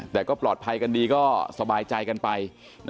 แต่ก็ปลอดภัยกันดีก็สบายใจกันไป